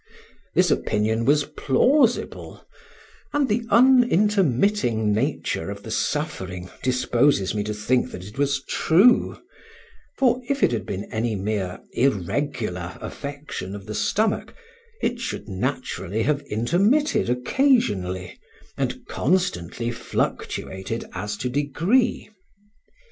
This opinion was plausible; and the unintermitting nature of the suffering disposes me to think that it was true, for if it had been any mere irregular affection of the stomach, it should naturally have intermitted occasionally, and constantly fluctuated as to degree.